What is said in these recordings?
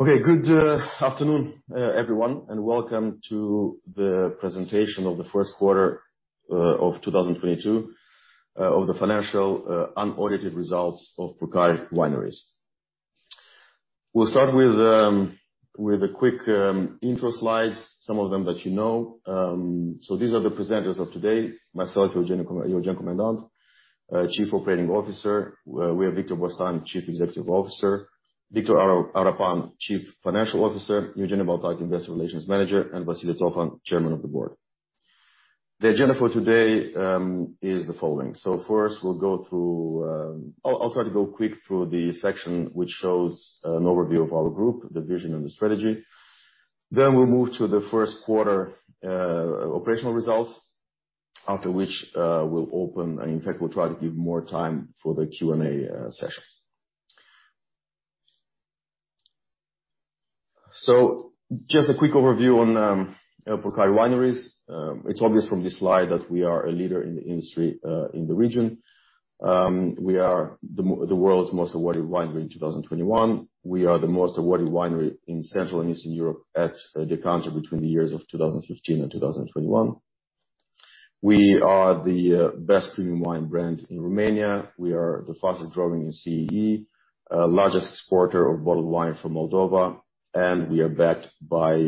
Okay, good afternoon, everyone, and welcome to the presentation of the first quarter of 2022 of the financial unaudited results of Purcari Wineries. We'll start with a quick intro slides, some of them that you know. These are the presenters of today. Myself, Eugen Comendant, Chief Operating Officer. We have Victor Bostan, Chief Executive Officer, Victor Arapan, Chief Financial Officer, Eugeniu Baltag, Investor Relations Manager, and Vasile Țofan, Chairman of the Board. The agenda for today is the following. First we'll go through. I'll try to go quick through the section which shows an overview of our group, the vision and the strategy. Then we'll move to the first quarter operational results, after which, we'll open, and in fact, we'll try to give more time for the Q&A session. Just a quick overview on Purcari Wineries. It's obvious from this slide that we are a leader in the industry in the region. We are the world's most awarded winery in 2021. We are the most awarded winery in Central and Eastern Europe at Decanter between the years of 2015 and 2021. We are the best premium wine brand in Romania. We are the fastest growing in CEE, largest exporter of bottled wine from Moldova, and we are backed by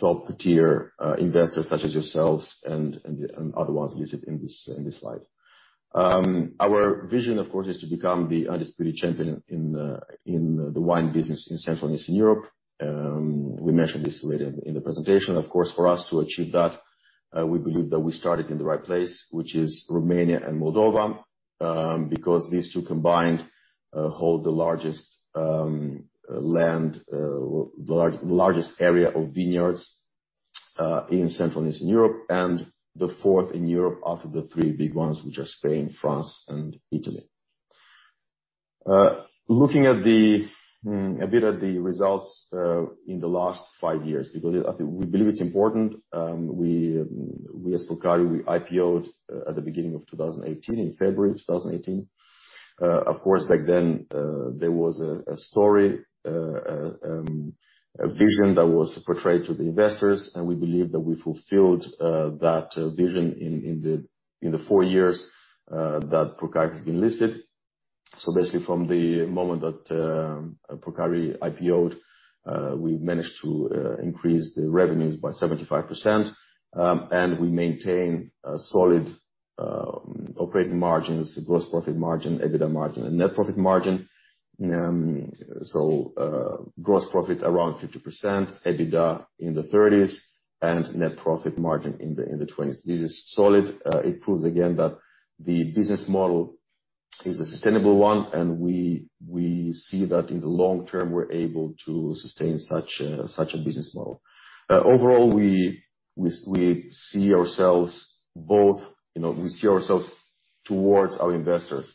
top tier investors such as yourselves and other ones listed in this slide. Our vision, of course, is to become the undisputed champion in the wine business in Central and Eastern Europe. We mention this later in the presentation. Of course, for us to achieve that, we believe that we started in the right place, which is Romania and Moldova, because these two combined hold the largest area of vineyards in Central and Eastern Europe and the fourth in Europe after the three big ones, which are Spain, France and Italy. Looking a bit at the results in the last five years, because we believe it's important, we as Purcari IPO'd at the beginning of 2018, in February 2018. Of course, back then, there was a story, a vision that was portrayed to the investors, and we believe that we fulfilled that vision in the four years that Purcari has been listed. Basically from the moment that Purcari IPO'd, we managed to increase the revenues by 75%, and we maintain a solid operating margins, gross profit margin, EBITDA margin and net profit margin. Gross profit around 50%, EBITDA in the 30s% and net profit margin in the 20s%. This is solid. It proves again that the business model is a sustainable one and we see that in the long term we're able to sustain such a business model. Overall we see ourselves both, you know, towards our investors,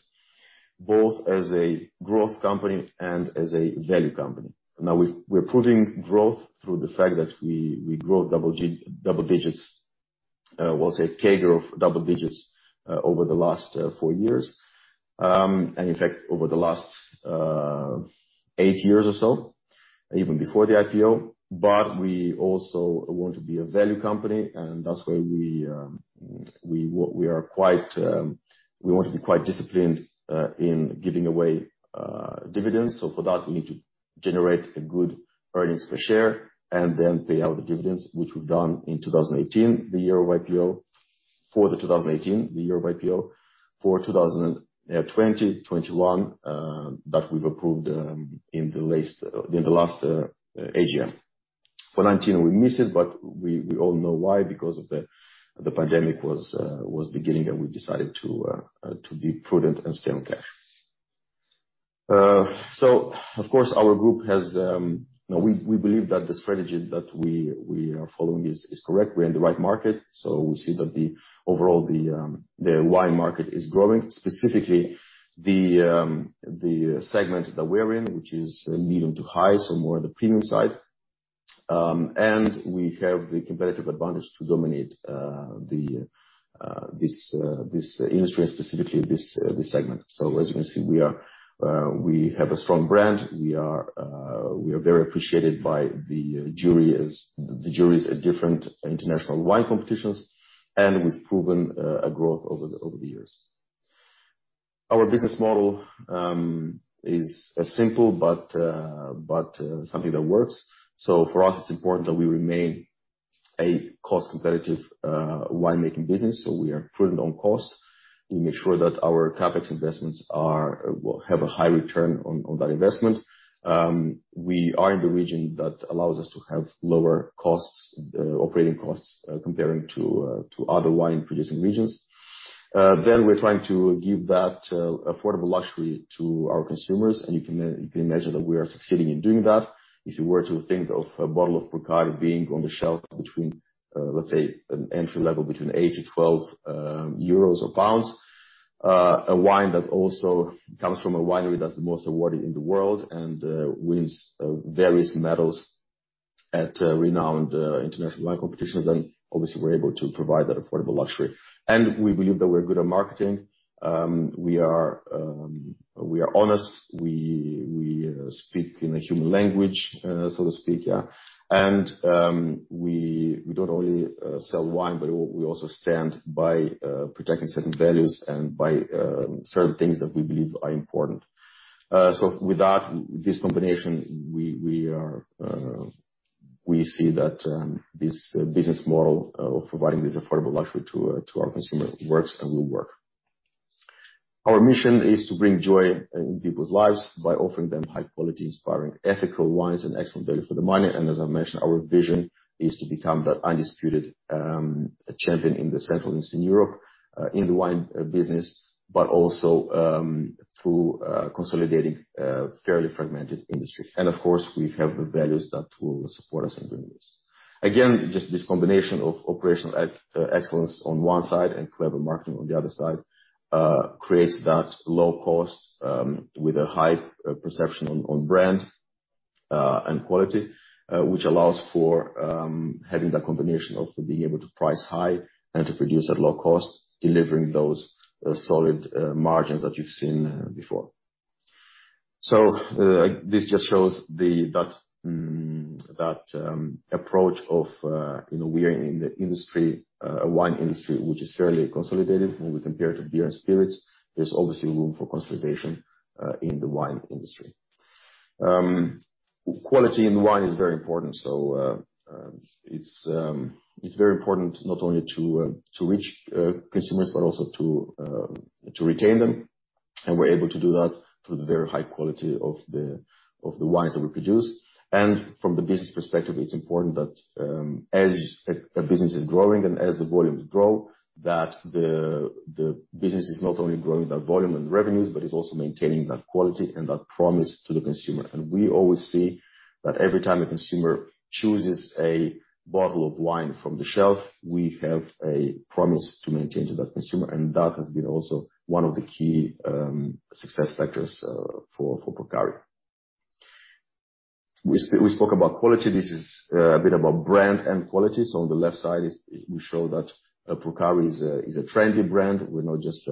both as a growth company and as a value company. Now we're proving growth through the fact that we grow double digits, we'll say CAGR of double digits, over the last four years. In fact, over the last eight years or so, even before the IPO. We also want to be a value company, and that's why we want to be quite disciplined in giving away dividends. For that, we need to generate a good earnings per share and then pay out the dividends which we've done in 2018, the year of IPO. For 2020, 2021, that we've approved in the last AGM. For 2019 we missed it, but we all know why because of the pandemic was beginning and we decided to be prudent and stay on cash. Of course our group has, we believe that the strategy that we are following is correct. We're in the right market. We see that the overall wine market is growing, specifically the segment that we're in, which is medium to high, so more the premium side. We have the competitive advantage to dominate this industry and specifically this segment. As you can see, we have a strong brand. We are very appreciated by the juries at different international wine competitions. We've proven a growth over the years. Our business model is a simple but something that works. For us it's important that we remain a cost competitive wine making business. We are prudent on cost. We make sure that our CapEx investments have a high return on that investment. We are in the region that allows us to have lower operating costs compared to other wine producing regions. We're trying to give that affordable luxury to our consumers and you can imagine that we are succeeding in doing that. If you were to think of a bottle of Purcari being on the shelf between, let's say, an entry-level between 8-12 euros or GBP 8-12, a wine that also comes from a winery that's the most awarded in the world and wins various medals at a renowned international wine competitions, then obviously we're able to provide that affordable luxury. We believe that we're good at marketing. We are honest, we speak in a human language, so to speak, yeah. We don't only sell wine, but we also stand by protecting certain values and by certain things that we believe are important. So with that, this combination, we see that this business model of providing this affordable luxury to our consumer works and will work. Our mission is to bring joy in people's lives by offering them high quality, inspiring ethical wines and excellent value for the money. As I mentioned, our vision is to become the undisputed champion in the Central and Eastern Europe in the wine business, but also through consolidating a fairly fragmented industry. Of course, we have the values that will support us in doing this. Again, just this combination of operational excellence on one side and clever marketing on the other side creates that low cost with a high perception on brand and quality, which allows for having that combination of being able to price high and to produce at low cost, delivering those solid margins that you've seen before. This just shows that approach of you know, we are in the industry, wine industry, which is fairly consolidated when we compare to beer and spirits. There's obviously room for consolidation in the wine industry. Quality in wine is very important, so it's very important not only to reach consumers, but also to retain them. We're able to do that through the very high quality of the wines that we produce. From the business perspective, it's important that as a business is growing and as the volumes grow, that the business is not only growing that volume and revenues, but is also maintaining that quality and that promise to the consumer. We always see that every time a consumer chooses a bottle of wine from the shelf, we have a promise to maintain to that consumer. That has been also one of the key success factors for Purcari. We spoke about quality. This is a bit about brand and quality. On the left side, we show that Purcari is a trendy brand. We're not just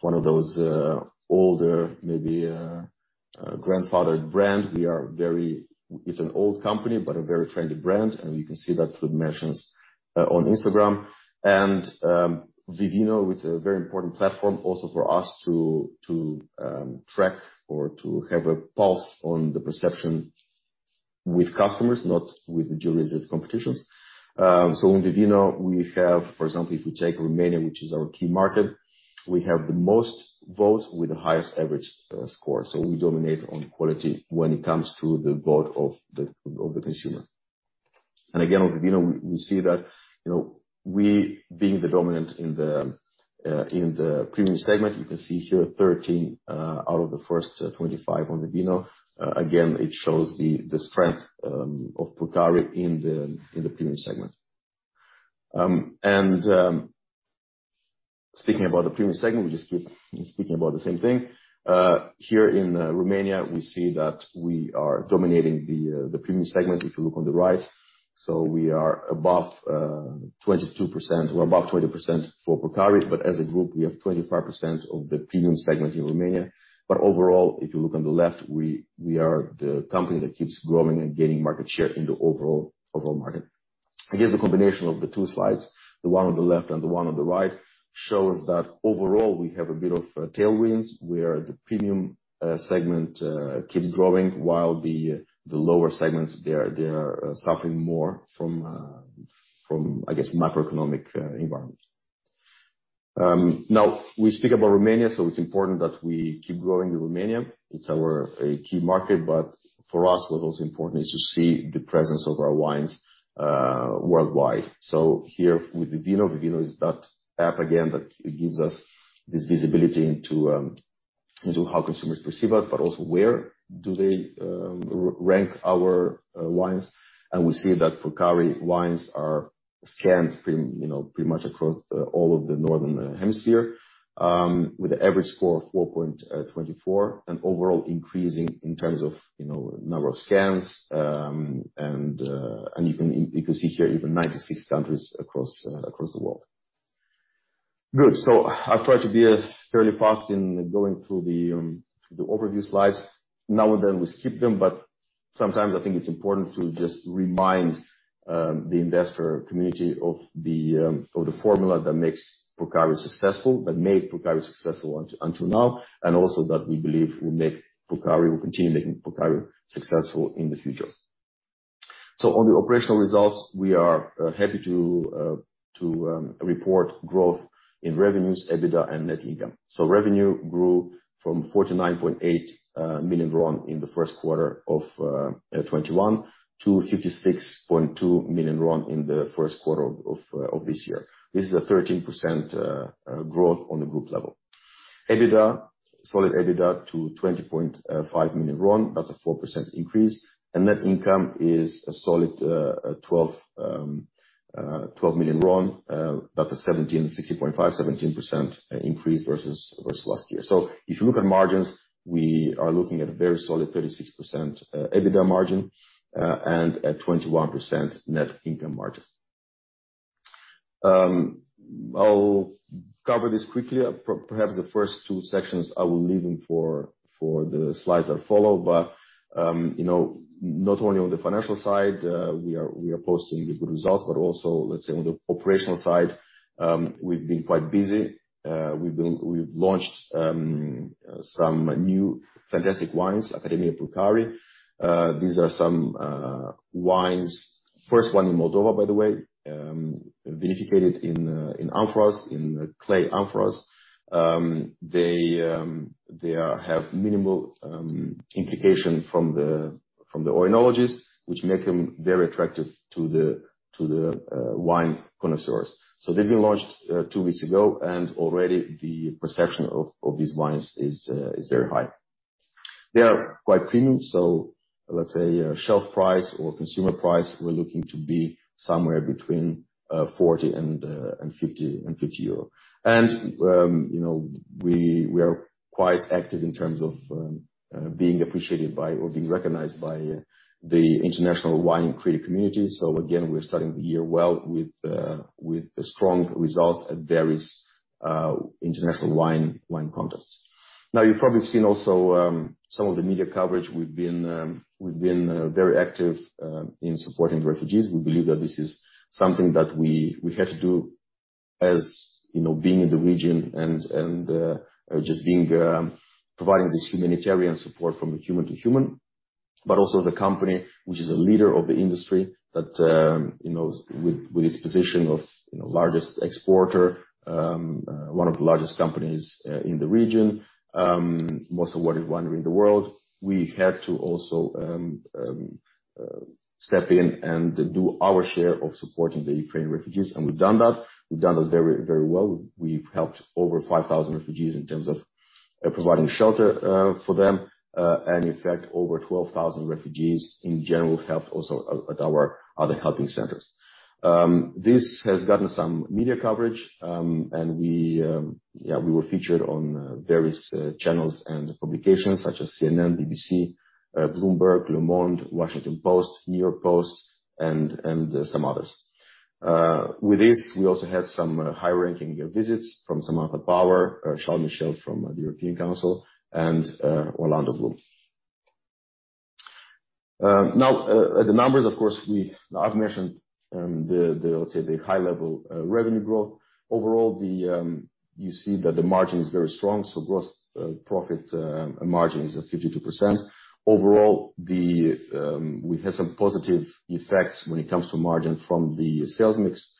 one of those older, maybe, grandfathered brand. We are very, it's an old company, but a very trendy brand, and you can see that through the mentions on Instagram. Vivino, it's a very important platform also for us to track or to have a pulse on the perception with customers, not with the juries at competitions. On Vivino, we have, for example, if we take Romania, which is our key market, we have the most votes with the highest average score. We dominate on quality when it comes to the vote of the consumer. Again, on Vivino, we see that, you know, we being the dominant in the premium segment. You can see here 13 out of the first 25 on Vivino. Again, it shows the strength of Purcari in the premium segment. Speaking about the premium segment, we just keep speaking about the same thing. Here in Romania, we see that we are dominating the premium segment, if you look on the right. We are above 22%. We're above 20% for Purcari, but as a group, we have 25% of the premium segment in Romania. Overall, if you look on the left, we are the company that keeps growing and gaining market share in the overall market. I guess the combination of the two slides, the one on the left and the one on the right, shows that overall, we have a bit of tailwinds, where the premium segment keeps growing while the lower segments, they are suffering more from, I guess, macroeconomic environment. Now we speak about Romania. It's important that we keep growing in Romania. It's a key market. For us, what's also important is to see the presence of our wines worldwide. Here with Vivino is that app again that gives us this visibility into how consumers perceive us, but also where they rank our wines. We see that Purcari wines are scanned pretty much across all of the northern hemisphere, with an average score of 4.24 and overall increasing in terms of, you know, number of scans, and you can see here even 96 countries across the world. Good. I try to be fairly fast in going through the overview slides. Now and then we skip them, but sometimes I think it's important to just remind the investor community of the formula that makes Purcari successful, that made Purcari successful until now, and also that we believe will make Purcari, will continue making Purcari successful in the future. On the operational results, we are happy to report growth in revenues, EBITDA and net income. Revenue grew from RON 49.8 million in the first quarter of 2021 to RON 56.2 million in the first quarter of this year. This is a 13% growth on the group level. EBITDA, solid EBITDA to RON 20.5 million, that's a 4% increase. Net income is a solid 12 million RON. That's a 16.5-17% increase versus last year. If you look at margins, we are looking at a very solid 36% EBITDA margin and a 21% net income margin. I'll cover this quickly. Perhaps the first two sections, I will leave them for the slides that follow. You know, not only on the financial side, we are posting good results, but also, let's say, on the operational side, we've been quite busy. We've launched some new fantastic wines, Academia Purcari. These are some wines. First wine in Moldova, by the way, vinified in amphoras, in clay amphoras. They are have minimal implication from the oenologist, which make them very attractive to the wine connoisseurs. They've been launched two weeks ago, and already the perception of these wines is very high. They are quite premium, so let's say shelf price or consumer price, we're looking to be somewhere between 40 and 50. You know, we are quite active in terms of being appreciated by or being recognized by the international wine critic community. Again, we're starting the year well with strong results at various international wine contests. Now, you've probably seen also some of the media coverage. We've been very active in supporting refugees. We believe that this is something that we had to do as, you know, being in the region and just being providing this humanitarian support from human to human, but also as a company which is a leader of the industry that, you know, with its position of, you know, largest exporter, one of the largest companies, in the region, most awarded winery in the world. We had to also step in and do our share of supporting the Ukraine refugees, and we've done that. We've done that very, very well. We've helped over 5,000 refugees in terms of providing shelter for them, and in fact, over 12,000 refugees in general helped also at our other helping centers. This has gotten some media coverage, and we were featured on various channels and publications such as CNN, BBC, Bloomberg, Le Monde, Washington Post, New York Post, and some others. With this, we also had some high-profile visits from Samantha Power, Charles Michel from the European Council, and Orlando Bloom. Now, the numbers of course, I've mentioned the, let's say, high-level revenue growth. Overall, you see that the margin is very strong, so gross profit margin is at 52%. Overall, we had some positive effects when it comes to margin from the sales mix.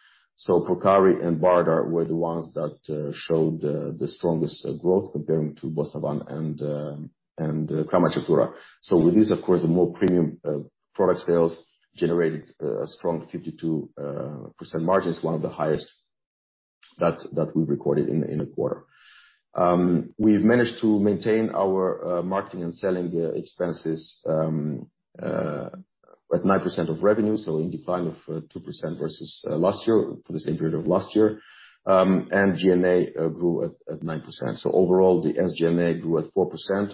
Purcari and Bardar were the ones that showed the strongest growth comparing to Bostavan and Crama Ceptura. With this, of course, the more premium product sales generated a strong 52% margin. It's one of the highest that we recorded in the quarter. We've managed to maintain our marketing and selling expenses at 9% of revenue, so in decline of 2% versus last year, for the same period of last year. G&A grew at 9%. Overall, the SG&A grew at 4%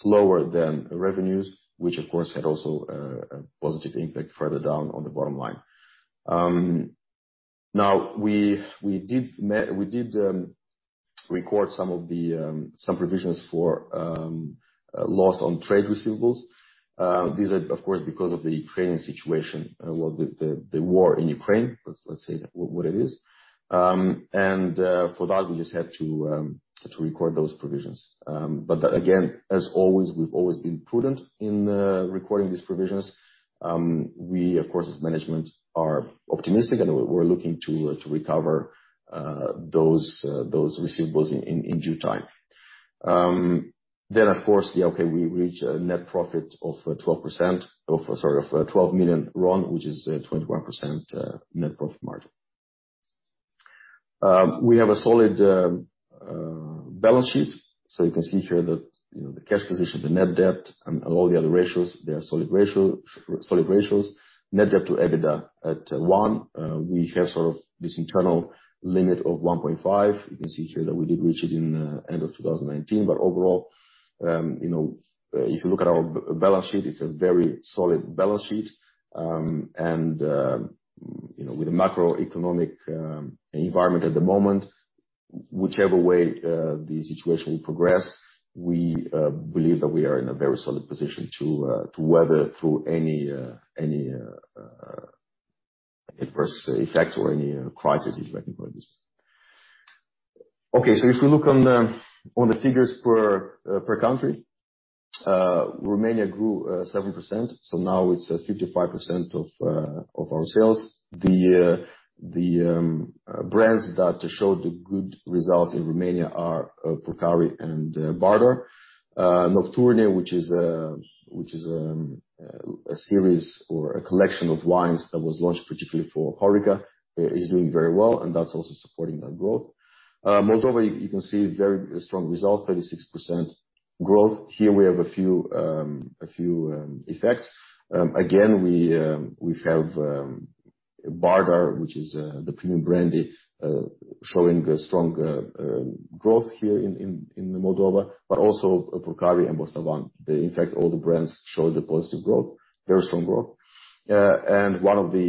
slower than revenues, which of course had also a positive impact further down on the bottom line. We did record some provisions for loss on trade receivables. These are of course because of the Ukrainian situation. Well, the war in Ukraine, let's say what it is. For that, we just had to record those provisions. Again, as always, we've always been prudent in recording these provisions. We of course, as management, are optimistic and we're looking to recover those receivables in due time. Of course, we reach a net profit of RON 12 million, which is a 21% net profit margin. We have a solid balance sheet. You can see here that, you know, the cash position, the net debt, and all the other ratios, they are solid ratios. Net debt to EBITDA at one. We have sort of this internal limit of 1.5. You can see here that we did reach it in end of 2019. Overall, you know, if you look at our balance sheet, it's a very solid balance sheet. You know, with the macroeconomic environment at the moment, whichever way the situation will progress, we believe that we are in a very solid position to weather through any adverse effects or any crisis, if I can call it this. Okay. If you look on the figures per country, Romania grew 7%, so now it's 55% of our sales. The brands that showed the good results in Romania are Purcari and Bardar. Nocturne, which is a series or a collection of wines that was launched particularly for HoReCa, is doing very well, and that's also supporting that growth. Moldova, you can see very strong result, 36% growth. Here we have a few effects. Again, we have Bardar, which is the premium brandy, showing a strong growth here in Moldova, but also Purcari and Bostavan. They in fact, all the brands showed a positive growth, very strong growth. One of the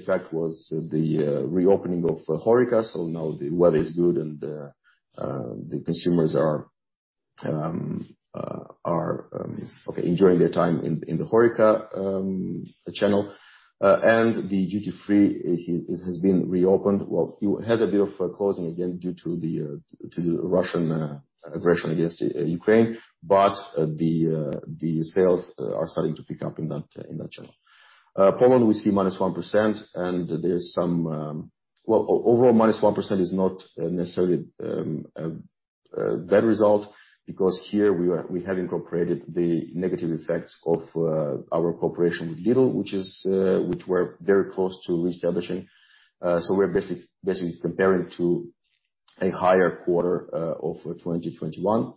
effect was the reopening of HoReCa. Now the weather is good and the consumers are okay, enjoying their time in the HoReCa channel. The duty-free, it has been reopened. Well, it had a bit of a closing again due to the Russian aggression against Ukraine, but the sales are starting to pick up in that channel. Poland we see -1% and there's some. Well, overall, -1% is not necessarily a bad result because here we are, we have incorporated the negative effects of our cooperation with Lidl, which we're very close to reestablishing. We're basically comparing to a higher quarter of 2021.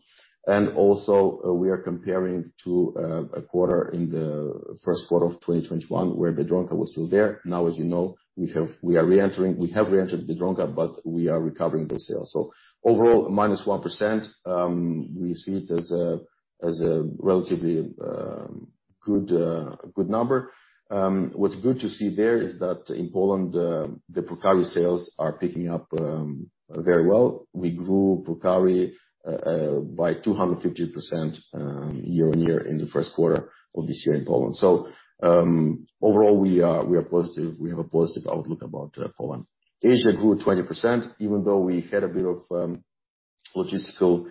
We are comparing to a quarter in the first quarter of 2021, where Biedronka was still there. Now, as you know, we have re-entered Biedronka, but we are recovering those sales. Overall, -1%, we see it as a relatively good number. What's good to see there is that in Poland, the Purcari sales are picking up very well. We grew Purcari by 250% year-on-year in the first quarter of this year in Poland. Overall, we are positive. We have a positive outlook about Poland. Asia grew 20%, even though we had a bit of logistical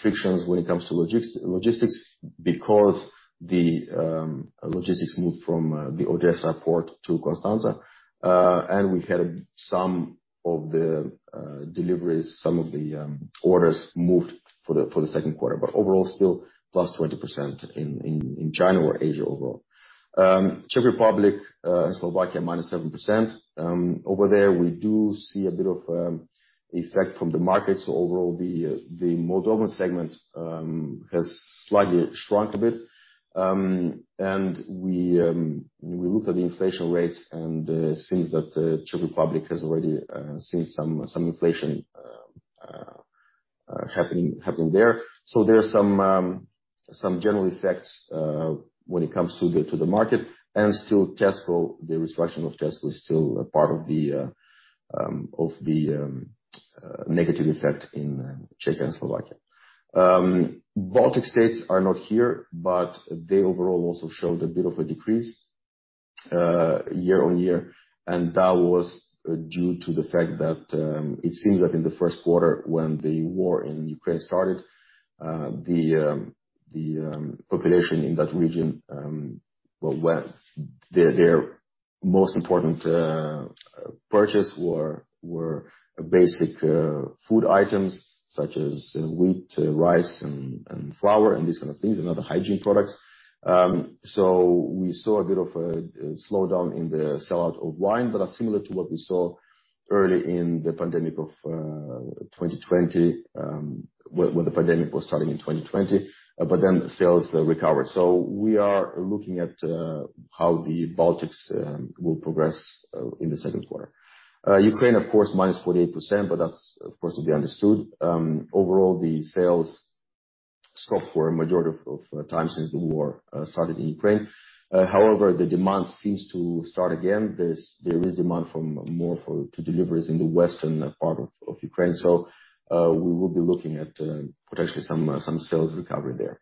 frictions when it comes to logistics because the logistics moved from the Odessa port to Constanța. We had some of the deliveries, some of the orders moved for the second quarter. Overall, still +20% in China or Asia overall. Czech Republic and Slovakia, -7%. Over there, we do see a bit of effect from the markets. Overall, the Moldovan segment has slightly shrunk a bit. We look at the inflation rates and it seems that Czech Republic has already seen some inflation happening there. There are some general effects when it comes to the market. Still Tesco, the restructuring of Tesco is still a part of the negative effect in Czech and Slovakia. Baltic States are not here, but they overall also showed a bit of a decrease year-on-year. That was due to the fact that it seems that in the first quarter, when the war in Ukraine started, the population in that region, well, their most important purchases were basic food items such as wheat, rice and flour, and these kind of things, and other hygiene products. We saw a bit of a slowdown in the sell-out of wine, but that's similar to what we saw early in the pandemic of 2020, when the pandemic was starting in 2020, but then sales recovered. We are looking at how the Baltics will progress in the second quarter. Ukraine, of course, minus 48%, but that's, of course, to be understood. Overall, the sales stopped for a majority of time since the war started in Ukraine. However, the demand seems to start again. There is demand for deliveries in the western part of Ukraine. We will be looking at potentially some sales recovery there.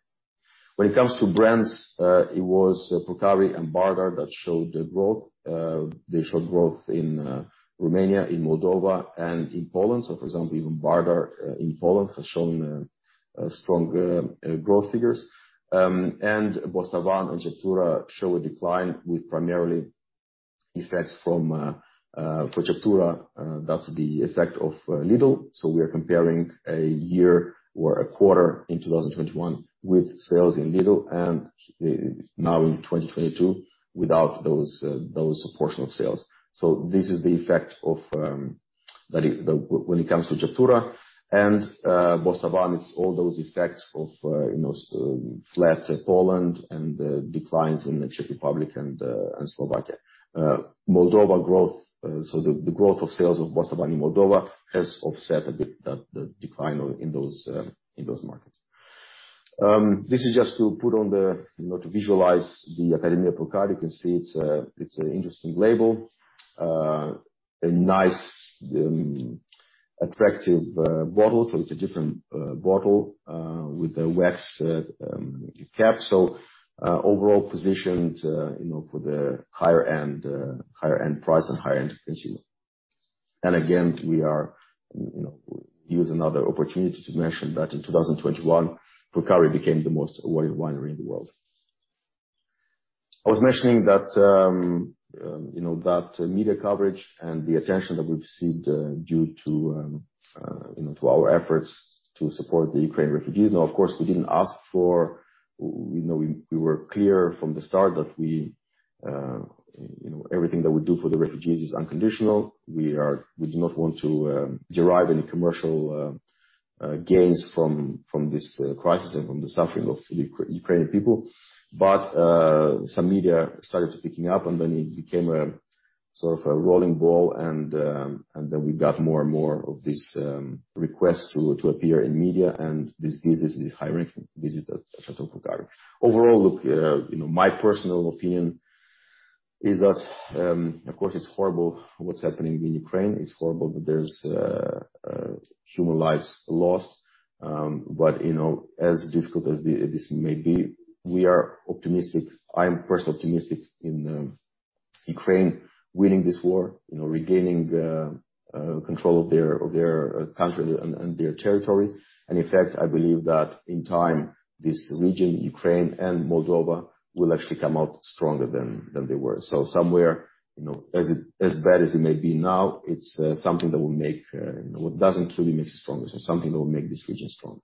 When it comes to brands, it was Purcari and Bardar that showed the growth. They showed growth in Romania, in Moldova, and in Poland. For example, even Bardar in Poland has shown strong growth figures. Both Bostavan and Crama Ceptura show a decline with primary effects from, for Crama Ceptura, that's the effect of Lidl. We are comparing a year or a quarter in 2021 with sales in Lidl and now in 2022 without those portion of sales. This is the effect of that when it comes to Château Purcari. Both Bostavan, it's all those effects of, you know, flat Poland and the declines in the Czech Republic and Slovakia. Moldova growth, so the growth of sales of Bostavan in Moldova has offset a bit the decline in those markets. This is just to put on the, you know, to visualize the Academia Purcari. You can see it's an interesting label. A nice, attractive bottle. It's a different bottle with a wax cap. Overall positioned, you know, for the higher end price and higher end consumer. Again, we are, you know, using another opportunity to mention that in 2021, Purcari became the most awarded winery in the world. I was mentioning that, you know, that media coverage and the attention that we've received, due to, you know, to our efforts to support the Ukrainian refugees. Of course, we didn't ask for, you know, we were clear from the start that we, you know, everything that we do for the refugees is unconditional. We do not want to derive any commercial gains from this crisis and from the suffering of Ukrainian people. Some media started picking up, and then it became a sort of a rolling ball, and then we got more and more of this request to appear in media. This gives us this high rank visit at Château Purcari. Overall, look, you know, my personal opinion is that, of course it's horrible what's happening in Ukraine. It's horrible that there's human lives lost. You know, as difficult as this may be, we are optimistic. I am personally optimistic in Ukraine winning this war, you know, regaining the control of their country and their territory. In fact, I believe that in time, this region, Ukraine and Moldova, will actually come out stronger than they were. Somewhere, you know, as bad as it may be now, it's something that will make you stronger. What doesn't kill you makes you stronger. Something that will make this region strong.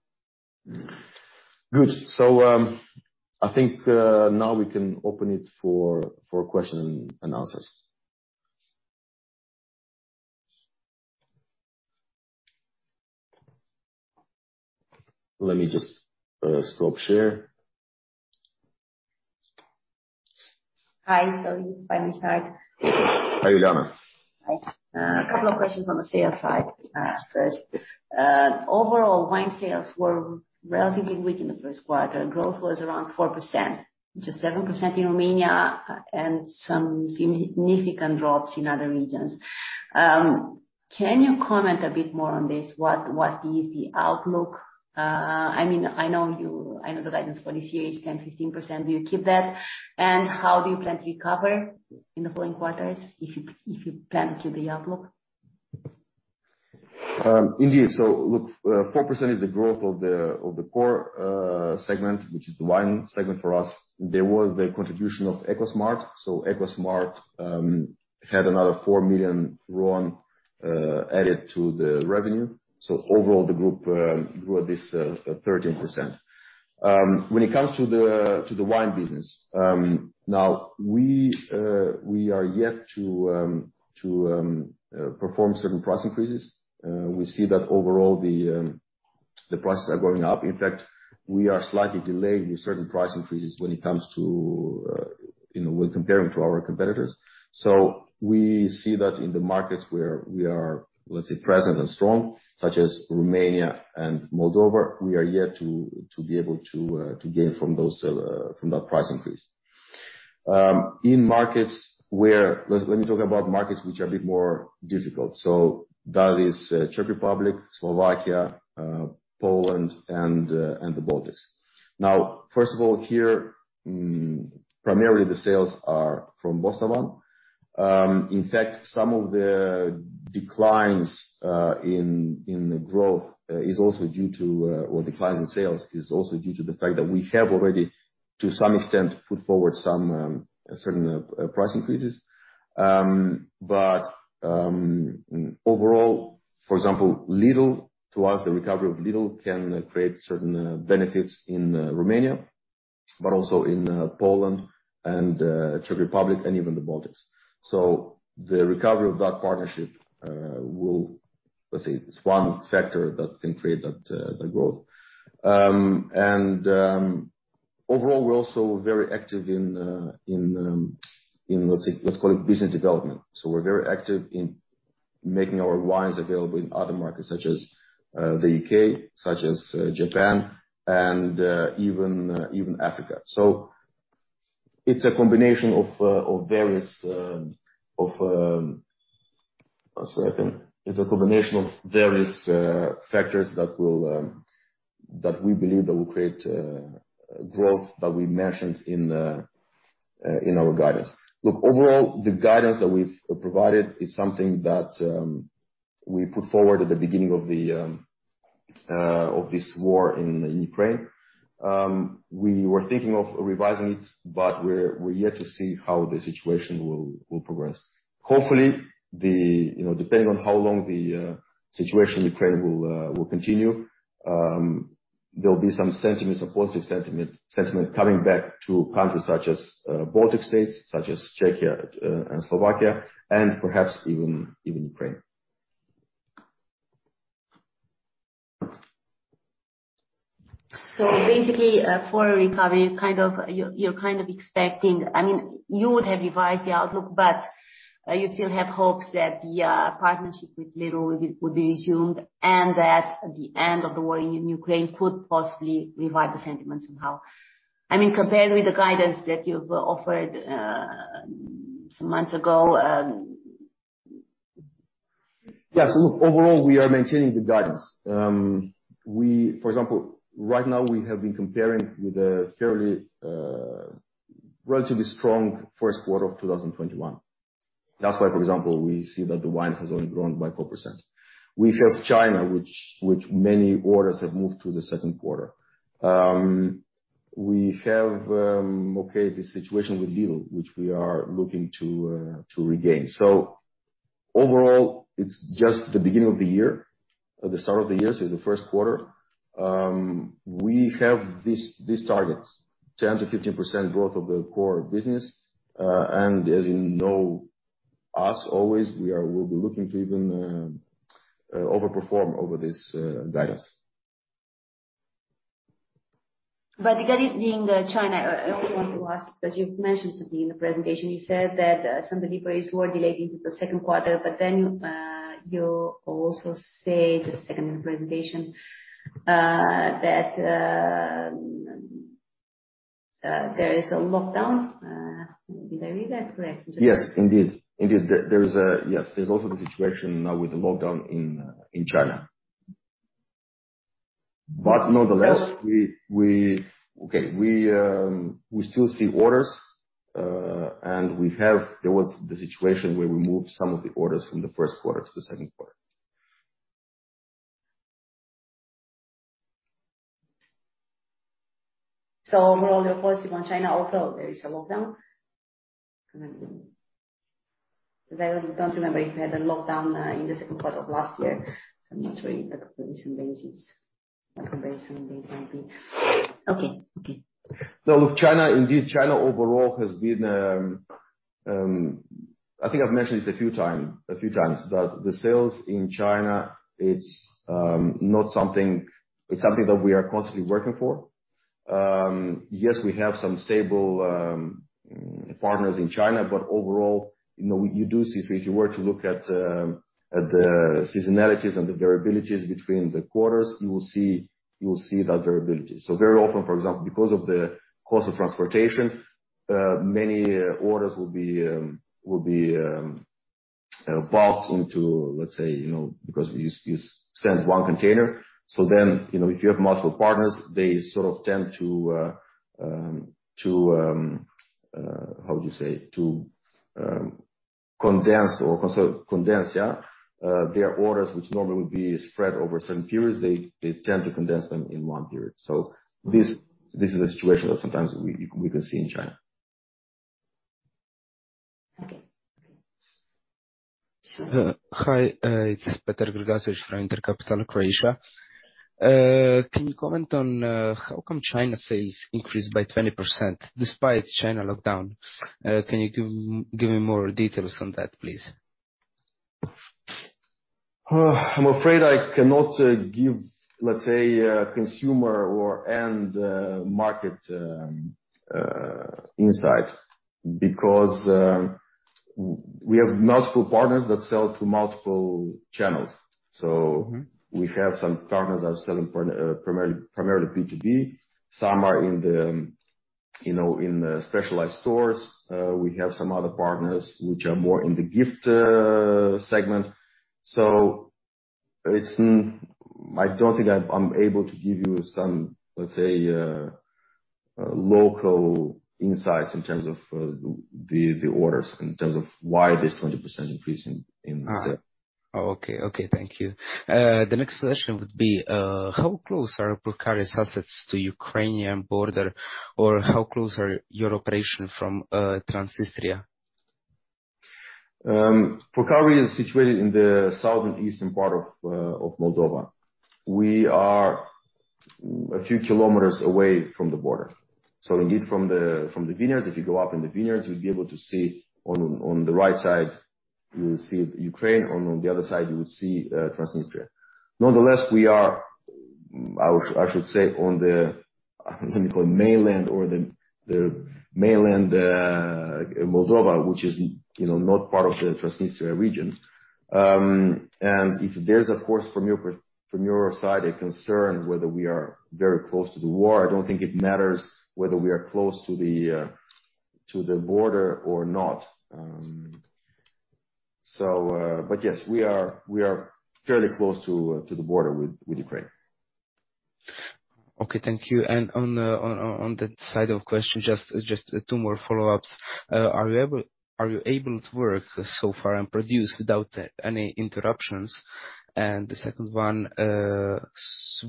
Good. I think now we can open it for questions and answers. Let me just stop sharing. Hi, sorry. By my side. Hi, Juliana. Hi. A couple of questions on the sales side. First, overall, wine sales were relatively weak in the first quarter. Growth was around 4%, just 7% in Romania, and some significant drops in other regions. Can you comment a bit more on this? What is the outlook? I mean, I know the guidance for this year is 10%-15%. Do you keep that? How do you plan to recover in the following quarters if you plan to the outlook? Indeed. Look, 4% is the growth of the core segment, which is the wine segment for us. There was the contribution of Ecosmart. Ecosmart had another RON 4 million added to the revenue. Overall, the group grew this 13%. When it comes to the wine business, now we are yet to perform certain price increases. We see that overall the prices are going up. In fact, we are slightly delayed with certain price increases when it comes to, you know, when comparing to our competitors. We see that in the markets where we are, let's say, present and strong, such as Romania and Moldova, we are yet to be able to gain from those, from that price increase. In markets which are a bit more difficult, that is Czech Republic, Slovakia, Poland and the Baltics. Now, first of all here, primarily the sales are from Bostavan. In fact, some of the declines in sales is also due to the fact that we have already, to some extent, put forward some certain price increases. Overall, for example, Lidl to us the recovery of Lidl can create certain benefits in Romania, but also in Poland and Czech Republic and even the Baltics. The recovery of that partnership will, let's say, it's one factor that can create that the growth. Overall, we're also very active in let's say, let's call it business development. We're very active in making our wines available in other markets such as the U.K., such as Japan and even Africa. It's a combination of various factors that we believe will create growth that we mentioned in our guidance. Look, overall, the guidance that we've provided is something that we put forward at the beginning of this war in Ukraine. We were thinking of revising it, but we're yet to see how the situation will progress. Hopefully, you know, depending on how long the situation in Ukraine will continue, there'll be some positive sentiment coming back to countries such as Baltic States, such as Czechia, and Slovakia and perhaps even Ukraine. Basically, for a recovery, kind of, you're kind of expecting. I mean, you would have revised the outlook, but you still have hopes that the partnership with Lidl will be resumed, and that the end of the war in Ukraine could possibly revive the sentiment somehow. I mean, compared with the guidance that you've offered some months ago. Yeah. Look, overall, we are maintaining the guidance. We for example, right now we have been comparing with a fairly, relatively strong first quarter of 2021. That's why, for example, we see that the wine has only grown by 4%. We have China, which many orders have moved to the second quarter. We have okay, this situation with Lidl, which we are looking to regain. Overall, it's just the beginning of the year, the start of the year, so the first quarter. We have this targets, 10%-15% growth of the core business. As you know us always, we'll be looking to even overperform over this guidance. Regarding the China, I also want to ask, because you've mentioned something in the presentation. You said that some deliveries were delayed into the second quarter, but then you also say the second presentation that there is a lockdown. Did I read that correct? Yes, indeed. There's also the situation now with the lockdown in China. But nonetheless, we still see orders, and we have. There was the situation where we moved some of the orders from the first quarter to the second quarter. Overall you're positive on China, although there is a lockdown. 'Cause I don't remember if you had a lockdown in the second quarter of last year. I'm not really comparing, this might be. Okay. No, look, China indeed. China overall has been. I think I've mentioned this a few times, that the sales in China, it's not something. It's something that we are constantly working for. Yes, we have some stable partners in China, but overall, you know, you do see, so if you were to look at the seasonalities and the variabilities between the quarters, you will see that variability. Very often, for example, because of the cost of transportation, many orders will be bulked into, let's say, you know, because you send one container. You know, if you have multiple partners, they sort of tend to how would you say to condense their orders which normally would be spread over certain periods, they tend to condense them in one period. This is a situation that sometimes we can see in China. Okay. Okay. Hi. It's Peter Grgurevic from InterCapital, Croatia. Can you comment on how come China sales increased by 20% despite China lockdown? Can you give me more details on that, please? I'm afraid I cannot give, let's say, a consumer or end market insight because we have multiple partners that sell to multiple channels. Mm-hmm. We have some partners that are selling primarily B2B. Some are in the, you know, in the specialized stores. We have some other partners which are more in the gift segment. I don't think I'm able to give you some, let's say, local insights in terms of the orders, in terms of why there's 20% increase in the sale. Okay. Thank you. The next question would be, how close are Purcari's assets to Ukrainian border, or how close are your operation from Transnistria? Purcari is situated in the southeastern part of Moldova. We are a few kilometers away from the border. Indeed from the vineyards, if you go up in the vineyards, you'll be able to see on the right side, you'll see Ukraine, on the other side you will see Transnistria. Nonetheless, we are, I should say, on the, let me call mainland or the mainland Moldova, which is, you know, not part of the Transnistria region. If there's, of course, from your side a concern whether we are very close to the war, I don't think it matters whether we are close to the border or not. Yes, we are fairly close to the border with Ukraine. Okay, thank you. On that side of question, just two more follow-ups. Are you able to work so far and produce without any interruptions? The second one,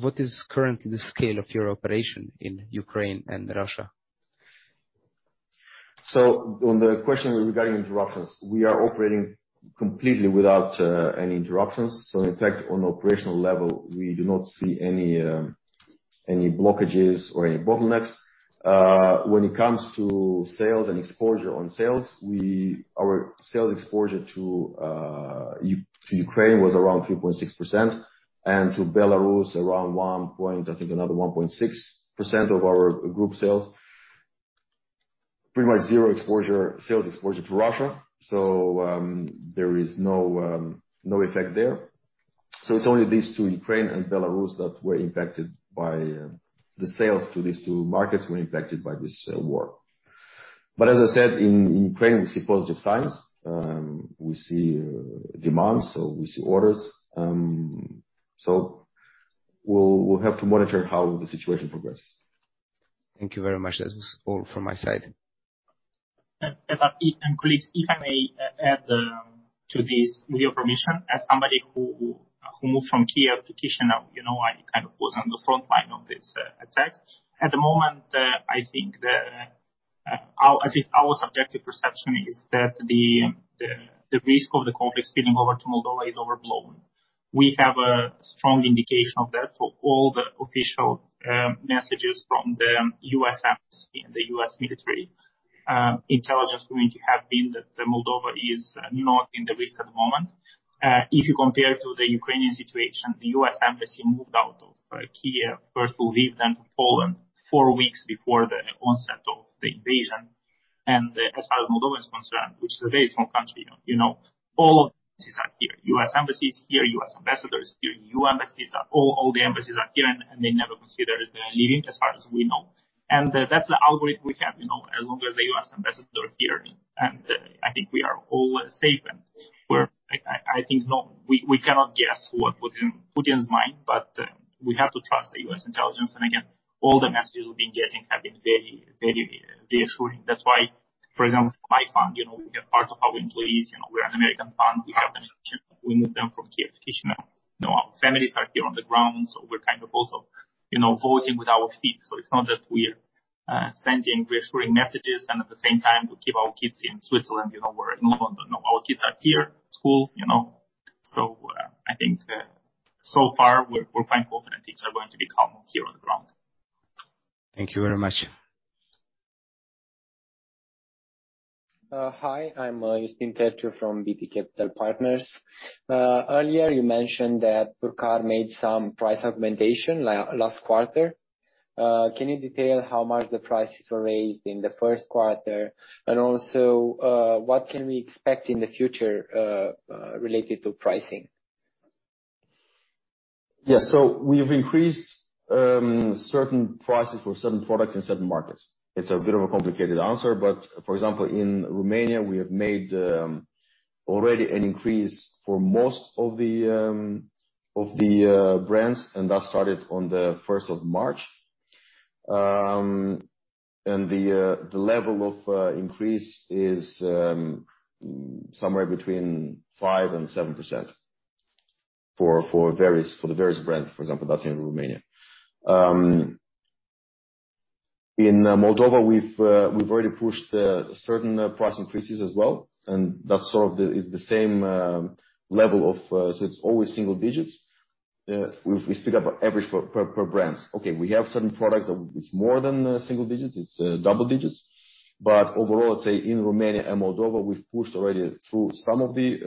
what is currently the scale of your operation in Ukraine and Russia? On the question regarding interruptions, we are operating completely without any interruptions. In fact, on operational level, we do not see any blockages or any bottlenecks. When it comes to sales and exposure on sales, our sales exposure to Ukraine was around 3.6% and to Belarus around 1%, I think, another 1.6% of our group sales. Pretty much zero exposure, sales exposure to Russia. There is no effect there. It's only these two, Ukraine and Belarus, the sales to these two markets were impacted by this war. As I said, in Ukraine, we see positive signs. We see demand, so we see orders. We'll have to monitor how the situation progresses. Thank you very much. That was all from my side. [Victor] and colleagues, if I may add to this, with your permission, as somebody who moved from Kyiv to Chișinău, you know, I kind of was on the frontline of this attack. At the moment, I think that at least our subjective perception is that the risk of the conflict spilling over to Moldova is overblown. We have a strong indication of that from all the official messages from the U.S. Embassy and the U.S. military intelligence has been that Moldova is not at risk at the moment. If you compare to the Ukrainian situation, the U.S. Embassy moved out of Kyiv, first to Lviv, then to Poland, four weeks before the onset of the invasion. As far as Moldova is concerned, which is a very small country, you know, all embassies are here, U.S. embassy is here, U.S. ambassador is here, E.U. embassies are all the embassies are here and they never considered leaving as far as we know. That's the algorithm we have, you know, as long as the U.S. ambassador is here, and I think we are all safe. We cannot guess what Putin's mind, but we have to trust the U.S. intelligence. Again, all the messages we've been getting have been very reassuring. That's why, for example, my fund, you know, we have part of our employees, you know, we're an American fund. We have an option to move them from Kyiv to Chișinău. You know, our families are here on the ground, so we're kind of also, you know, voting with our feet. It's not that we're sending reassuring messages, and at the same time, we keep our kids in Switzerland, you know, we're in London. No, our kids are here at school, you know. I think, so far we're quite confident things are going to be calm here on the ground. Thank you very much. Hi, I'm Justin Tertio from BP Capital Partners. Earlier you mentioned that Purcari made some price augmentation last quarter. Can you detail how much the prices were raised in the first quarter? Also, what can we expect in the future related to pricing? Yes. We've increased certain prices for certain products in certain markets. It's a bit of a complicated answer, but for example, in Romania, we have made already an increase for most of the brands, and that started on the first of March. The level of increase is somewhere between 5%-7% for the various brands, for example, that's in Romania. In Moldova, we've already pushed certain price increases as well, and that's the same level. It's always single digits. We speak about average per brands. Okay, we have certain products that it's more than single digits, it's double digits. Overall, I'd say in Romania and Moldova, we've pushed already through some of the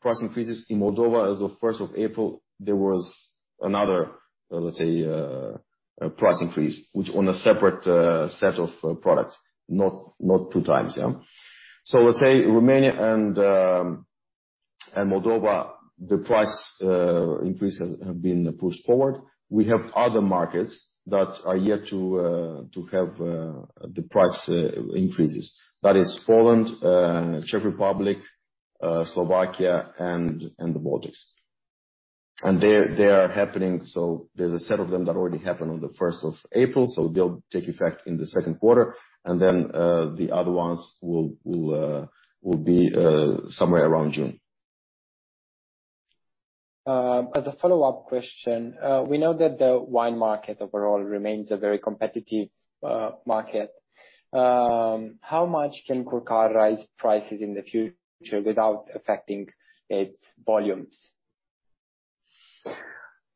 price increases. In Moldova as of first of April, there was another, let's say, price increase, which on a separate set of products, not two times. Let's say Romania and Moldova, the price increases have been pushed forward. We have other markets that are yet to have the price increases. That is Poland, Czech Republic, Slovakia and the Baltics. They're happening. There's a set of them that already happened on the first of April, so they'll take effect in the second quarter, and then the other ones will be somewhere around June. As a follow-up question, we know that the wine market overall remains a very competitive market. How much can Purcari raise prices in the future without affecting its volumes?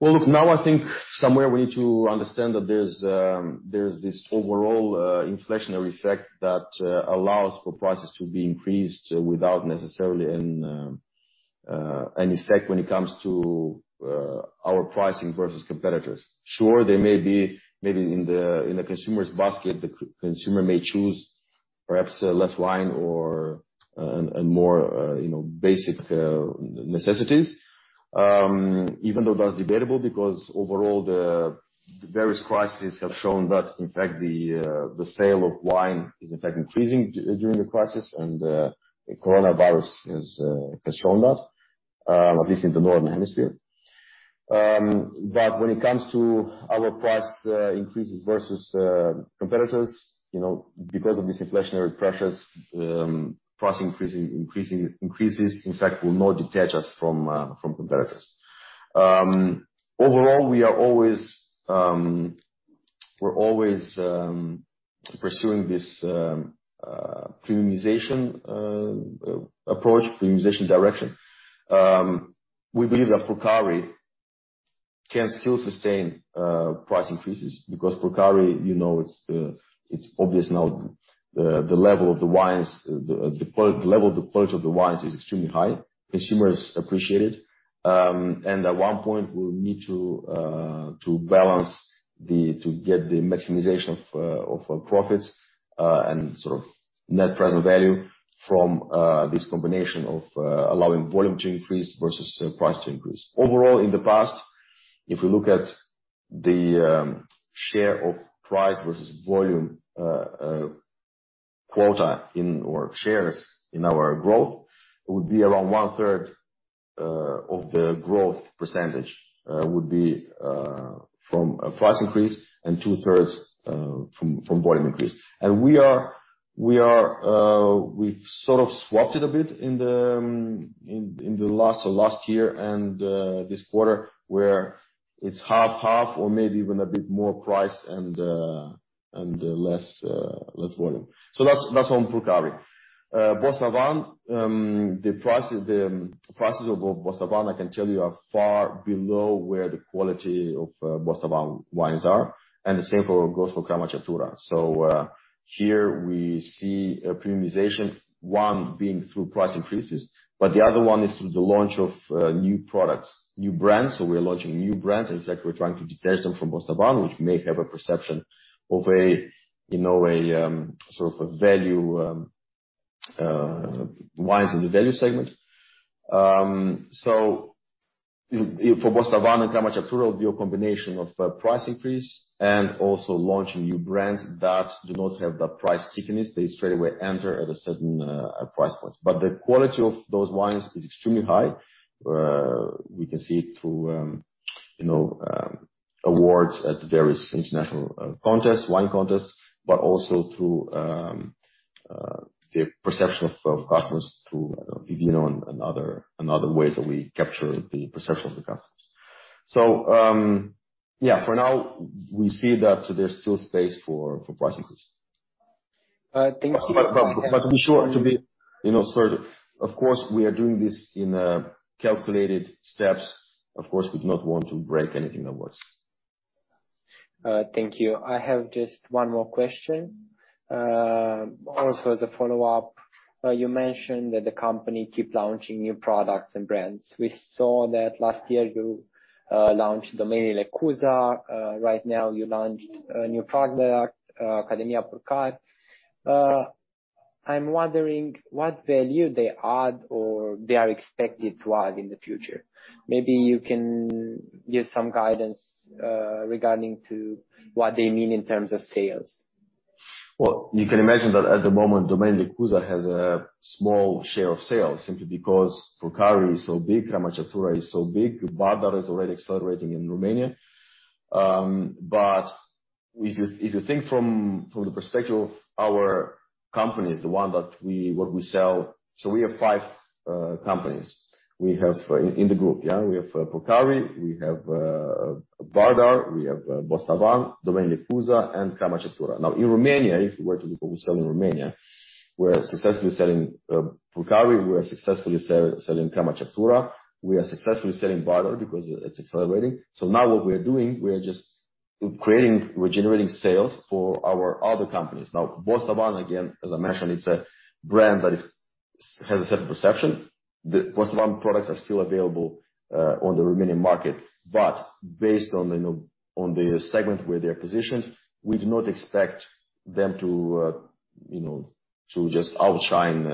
Well, look, now I think somewhere we need to understand that there's this overall inflationary effect that allows for prices to be increased without necessarily an effect when it comes to our pricing versus competitors. Sure, they may be maybe in the consumer's basket, the consumer may choose perhaps less wine or and more you know basic necessities. Even though that's debatable, because overall the various crises have shown that in fact the sale of wine is in fact increasing during the crisis. The coronavirus has shown that at least in the Northern Hemisphere. When it comes to our price increases versus competitors, you know, because of these inflationary pressures, price increases in fact will not detach us from competitors. Overall we are always pursuing this premiumization approach, premiumization direction. We believe that Purcari can still sustain price increases because Purcari, you know, it's obvious now the level of the wines, the quality level of the wines is extremely high. Consumers appreciate it. At one point we'll need to balance to get the maximization of profits, and sort of net present value from this combination of allowing volume to increase versus price to increase. Overall in the past, if we look at the share of price versus volume contribution to our growth, it would be around one-third of the growth percentage would be from a price increase and two-thirds from volume increase. We've sort of swapped it a bit in the last year and this quarter where it's half-half or maybe even a bit more price and less volume. That's on Purcari. Bostavan, the prices of Bostavan I can tell you are far below where the quality of Bostavan wines are and the same goes for Crama Ceptura. here we see a premiumization, one being through price increases, but the other one is through the launch of new products, new brands. We're launching new brands. In fact, we're trying to detach them from Bostavan, which may have a perception of a, you know, sort of a value wines in the value segment. If for Bostavan and Crama Ceptura will be a combination of price increase and also launching new brands that do not have the price stickiness. They straightaway enter at a certain price point. But the quality of those wines is extremely high. We can see it through, you know, awards at various international contests, wine contests, but also through the perception of customers through, you know, and other ways that we capture the perception of the customers. Yeah, for now, we see that there's still space for price increase. Thank you. Of course, we are doing this in calculated steps. Of course, we do not want to break anything that works. Thank you. I have just one more question. Also as a follow-up, you mentioned that the company keep launching new products and brands. We saw that last year you launched Domeniile Cuza. Right now you launched a new product, Academia Purcari. I'm wondering what value they add or they are expected to add in the future. Maybe you can give some guidance regarding to what they mean in terms of sales. You can imagine that at the moment, Domeniile Cuza has a small share of sales simply because Purcari is so big, Crama Ceptura is so big, Bardar is already accelerating in Romania. If you think from the perspective of our companies, what we sell. We have five companies in the group. We have Purcari, Bardar, Bostavan, Domeniile Cuza and Crama Ceptura. Now, in Romania, if you were to look at what we sell in Romania, we're successfully selling Purcari, we are successfully selling Crama Ceptura, we are successfully selling Bardar because it's accelerating. Now what we are doing, we are just creating. We're generating sales for our other companies. Now, Bostavan, again, as I mentioned, it's a brand that has a certain perception. The Bostavan products are still available on the Romanian market. Based on, you know, on the segment where they are positioned, we do not expect them to, you know, to just outshine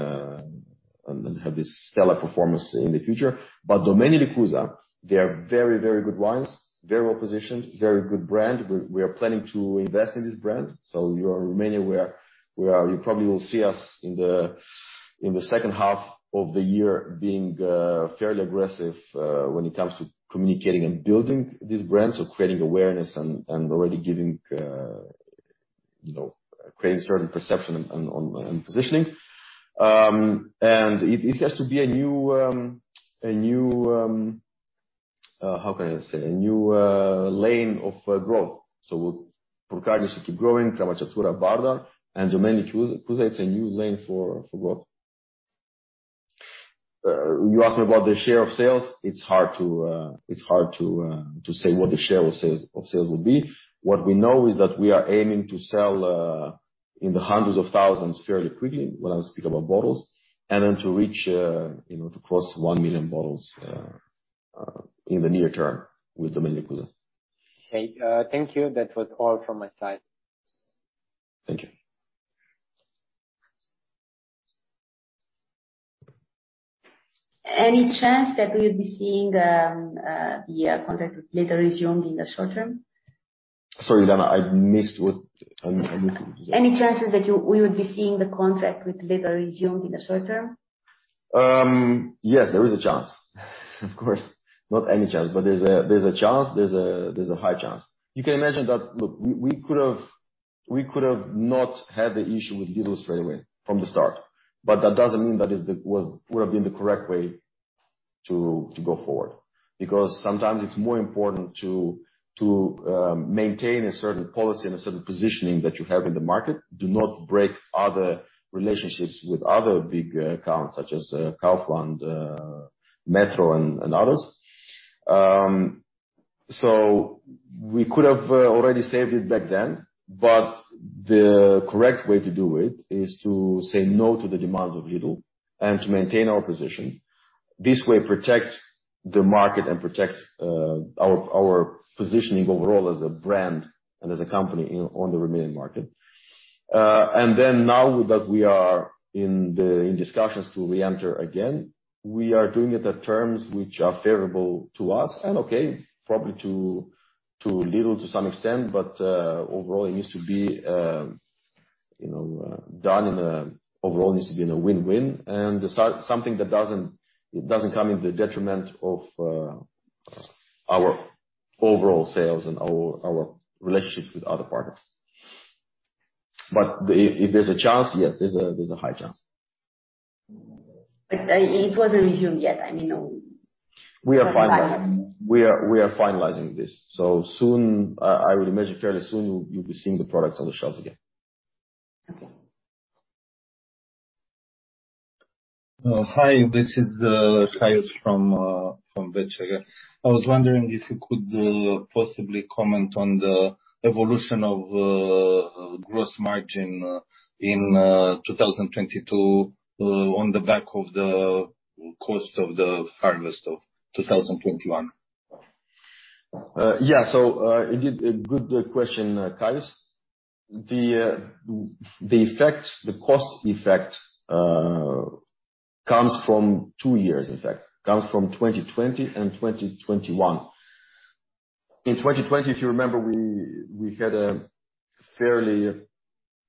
and then have this stellar performance in the future. Domeniile Cuza, they are very, very good wines, very well-positioned, very good brand. We are planning to invest in this brand. You're remaining where you probably will see us in the second half of the year being fairly aggressive when it comes to communicating and building these brands. Creating awareness and already giving, you know, creating certain perception on positioning. It has to be a new lane of growth. Purcari is growing Crama Ceptura, Bardar, and Domeniile Cuza. It's a new lane for growth. You asked me about the share of sales. It's hard to say what the share of sales will be. What we know is that we are aiming to sell in the hundreds of thousands fairly quickly, when I speak about bottles, and then to reach, you know, to cross 1 million bottles in the near term with Domeniile Cuza. Okay. Thank you. That was all from my side. Thank you. Any chance that we'll be seeing the contract with Lidl resumed in the short term? Sorry, Diana, I missed what. Can you? Any chances that we would be seeing the contract with Lidl resumed in the short term? Yes, there is a chance. Of course. Not any chance, but there's a chance. There's a high chance. You can imagine that, look, we could have not had the issue with Lidl straight away from the start, but that doesn't mean that would have been the correct way to maintain a certain policy and a certain positioning that you have in the market. Do not break other relationships with other big accounts such as Carrefour and Metro and others. We could have already saved it back then, but the correct way to do it is to say no to the demands of Lidl and to maintain our position. This way, protect the market and protect our positioning overall as a brand and as a company on the Romanian market. Now that we are in discussions to re-enter again, we are doing it at terms which are favorable to us and okay, probably to Lidl to some extent, but overall it needs to be in a win-win, and so something that doesn't, it doesn't come in the detriment of our overall sales and our relationships with other partners. But if there's a chance, yes, there's a high chance. It wasn't resumed yet. I mean. We are finalizing. We are finalizing this. Soon, I would imagine fairly soon, you'll be seeing the products on the shelves again. Okay. Hi. This is Charles from I was wondering if you could possibly comment on the evolution of gross margin in 2022 on the back of the cost of the harvest of 2021. Yeah. A good question, Charles. The cost effect comes from two years, in fact. It comes from 2020 and 2021. In 2020, if you remember, we had a fairly, you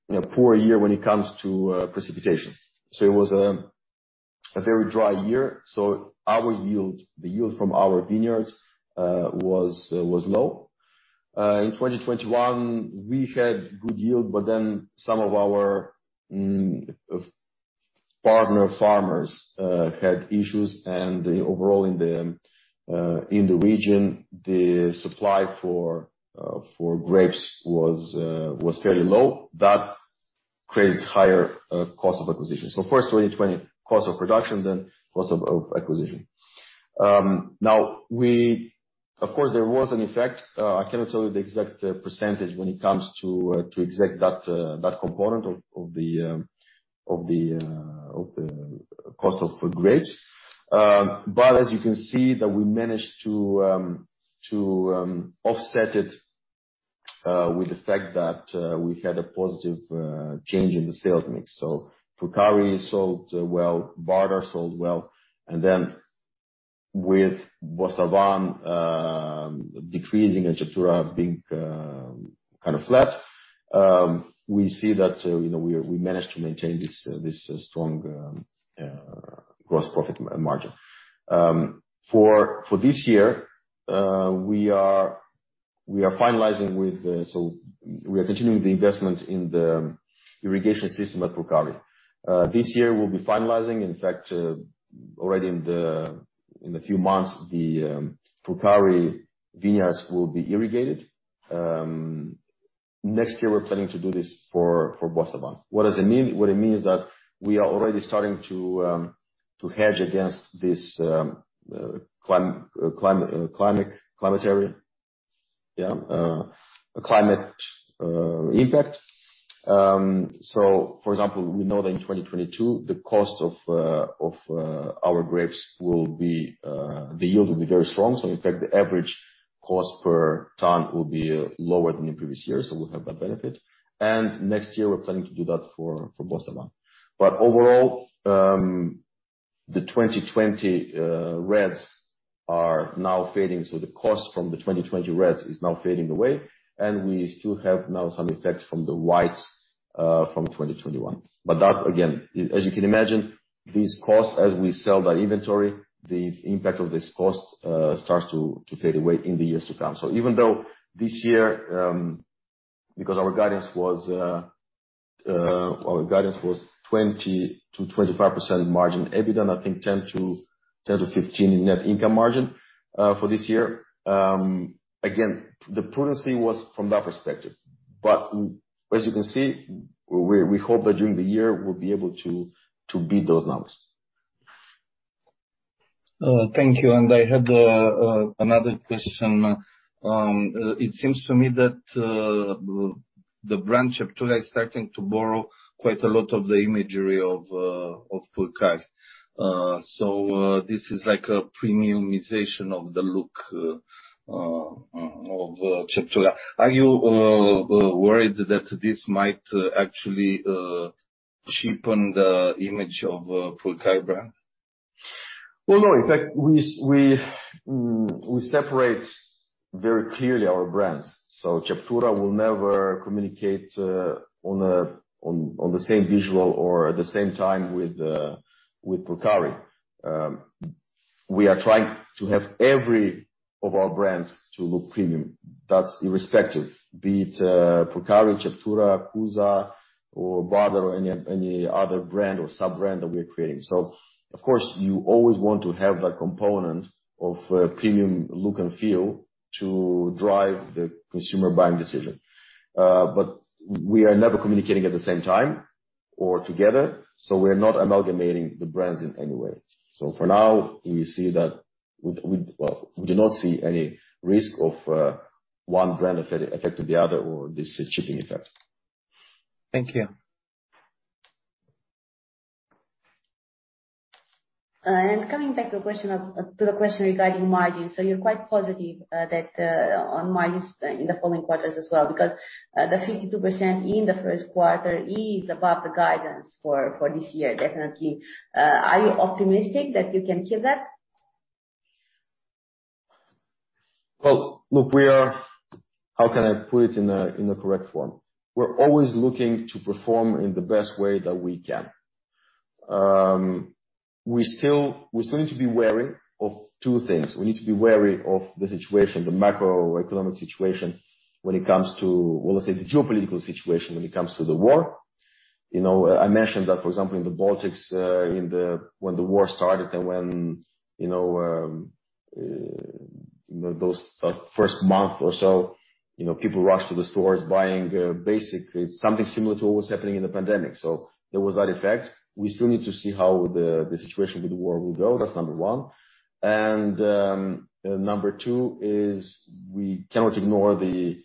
know, poor year when it comes to precipitation. It was a very dry year, so our yield, the yield from our vineyards, was low. In 2021, we had good yield, but then some of our partner farmers had issues and overall in the region, the supply for grapes was fairly low. That created higher cost of acquisition. First 2020, cost of production, then cost of acquisition. Of course, there was an effect. I cannot tell you the exact percentage when it comes to the exact component of the cost of grapes. As you can see, that we managed to offset it with the fact that we had a positive change in the sales mix. Purcari sold well, Bardar sold well, and then with Bostavan decreasing and Ceptura being kind of flat, we see that, you know, we managed to maintain this strong gross profit margin. For this year, we are continuing the investment in the irrigation system at Purcari. This year we'll be finalizing. In fact, already in a few months, the Purcari vineyards will be irrigated. Next year we're planning to do this for Bostavan. What does it mean? What it means is that we are already starting to hedge against this climate impact. For example, we know that in 2022, the cost of our grapes will be the yield will be very strong. In fact, the average cost per ton will be lower than the previous year. We'll have that benefit. Next year we're planning to do that for Bostavan. Overall, the 2020 reds are now fading. The cost from the 2020 reds is now fading away. We still have now some effects from the whites from 2021. That again, as you can imagine, these costs, as we sell that inventory, the impact of this cost starts to fade away in the years to come. Even though this year, because our guidance was 20%-25% EBITDA margin, I think 10%-15% net income margin for this year, again, the prudence was from that perspective. As you can see, we hope that during the year we'll be able to beat those numbers. Thank you. I had another question. It seems to me that the brand Ceptura is starting to borrow quite a lot of the imagery of Purcari. This is like a premiumization of the look of Ceptura. Are you worried that this might actually cheapen the image of Purcari brand? Well, no. In fact, we separate very clearly our brands. Ceptura will never communicate on the same visual or at the same time with Purcari. We are trying to have every of our brands to look premium. That's irrespective, be it Purcari, Ceptura, Cuza, or Bardar or any other brand or sub-brand that we are creating. Of course, you always want to have that component of premium look and feel to drive the consumer buying decision. We are never communicating at the same time or together. We're not amalgamating the brands in any way. For now, we see that we do not see any risk of one brand affecting the other or this cheapening effect. Thank you. Coming back to the question regarding margins, so you're quite positive that on margins in the following quarters as well? Because the 52% in the first quarter is above the guidance for this year, definitely. Are you optimistic that you can keep that? Well, look, how can I put it in a correct form? We're always looking to perform in the best way that we can. We still need to be wary of two things. We need to be wary of the situation, the macroeconomic situation when it comes to, well, let's say the geopolitical situation when it comes to the war. You know, I mentioned that, for example, in the Baltics. When the war started and when, you know, those, like, first month or so, you know, people rushed to the stores buying, basically something similar to what was happening in the pandemic. There was that effect. We still need to see how the situation with the war will go. That's number one. Number two is we cannot ignore the,